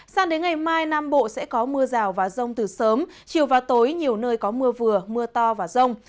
sang đến ngày mai nam bộ sẽ có mưa rào và rông từ sớm chiều và tối nhiều nơi có mưa vừa mưa to và rông